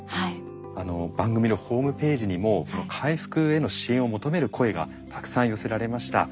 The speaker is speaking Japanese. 番組のホームページにも回復への支援を求める声がたくさん寄せられました。